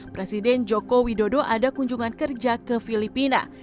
presiden jokowi dodo ada kunjungan kerja ke filipina